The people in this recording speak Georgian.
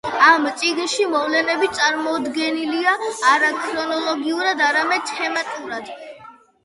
ამ წიგნში მოვლენები წარმოდგენილია არა ქრონოლოგიურად, არამედ თემატურად.